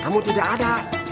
kamu tidak ada